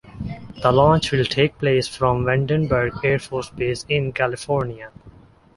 The launch will take place from Vandenberg Air Force Base in California.